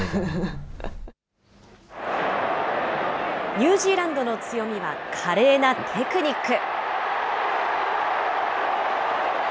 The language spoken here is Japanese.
ニュージーランドの強みは華麗なテクニック。